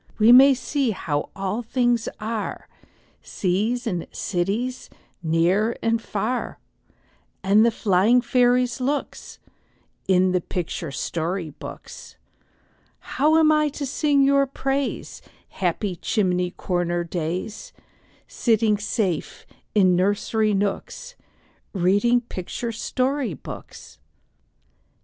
We may see how all things are, Seas and cities, near and far, And the flying fairies' looks, In the picture story books. How am I to sing your praise, Happy chimney corner days, Sitting safe in nursery nooks, Reading picture story books?